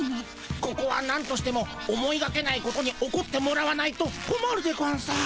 ここはなんとしても思いがけないことに起こってもらわないとこまるでゴンス。